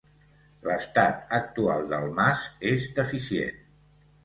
L’estat actual del mas, és deficient.